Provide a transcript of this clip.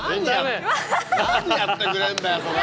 何やってくれんだよこれ。